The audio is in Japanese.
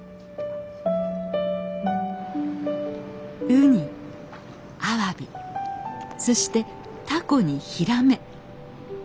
ウニアワビそしてタコにヒラメ。